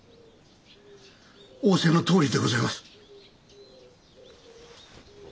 仰せのとおりでございます。